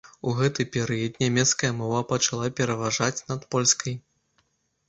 У гэты перыяд нямецкая мова пачала пераважаць над польскай.